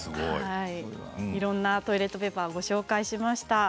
いろんなトイレットペーパーをご紹介しました。